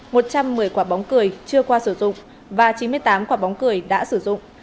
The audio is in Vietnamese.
một trăm một mươi quả bóng cười chưa qua sử dụng và chín mươi tám quả bóng cười đã sử dụng